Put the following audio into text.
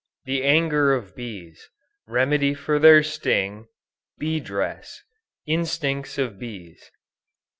THE ANGER OF BEES. REMEDY FOR THEIR STING. BEE DRESS. INSTINCTS OF BEES.